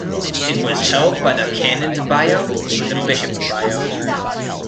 It was held by the Canons of Bayeux from the Bishop of Bayeux.